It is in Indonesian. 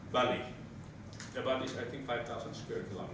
bali saya rasa sekitar lima km dua